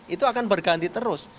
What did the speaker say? itu akan berganti terus